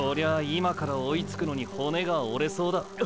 今から追いつくのに骨が折れそうだ。っ！！